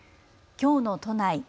きょうの都内。